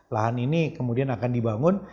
lahan ini kemudian akan dibangun